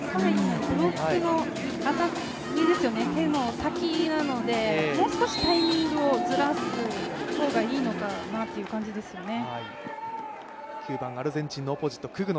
手の先なのでもう少しタイミングをずらす方がいいのかなっていう感じですね。